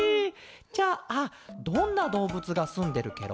じゃあどんなどうぶつがすんでるケロ？